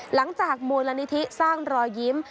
หลังจากมูลนิธิสร้างรอยยิ้ม